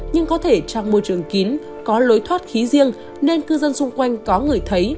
nhưng có thể trong môi trường kín có lối thoát khí riêng nên cư dân xung quanh có người thấy